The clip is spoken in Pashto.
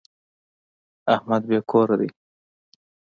احمد بې کوره دی.